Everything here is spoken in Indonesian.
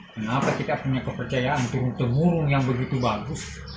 kenapa kita punya kepercayaan untuk burung yang begitu bagus